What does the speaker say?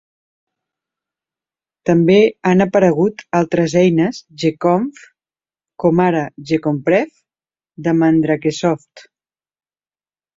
També han aparegut altres eines gconf, com ara Gconfpref de MandrakeSoft.